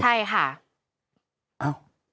ใช่ค่ะ